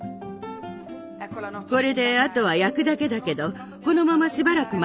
これであとは焼くだけだけどこのまましばらくまた寝かせるの。